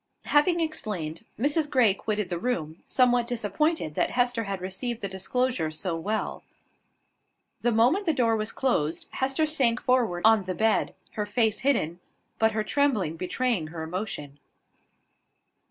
Having explained, Mrs Grey quitted the room, somewhat disappointed that Hester had received the disclosure so well. The moment the door was closed, Hester sank forward on the bed, her face hidden, but her trembling betraying her emotion.